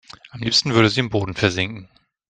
Am liebsten würde sie im Boden versinken.